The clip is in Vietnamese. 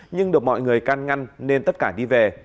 nhưng được mọi người can ngăn nên tất cả đi về